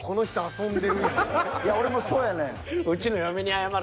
いや俺もそうやねん。